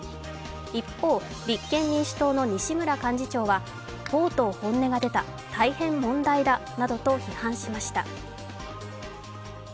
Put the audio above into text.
一方、立憲民主党の西村幹事長はとうとう本音が出た、大変問題だなどと批判しました。